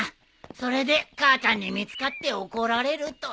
それで母ちゃんに見つかって怒られると。